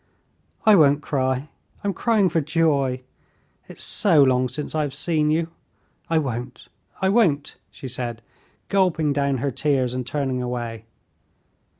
"I won't cry ... I'm crying for joy. It's so long since I've seen you. I won't, I won't," she said, gulping down her tears and turning away.